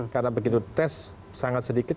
karena begitu tes sangat sedikit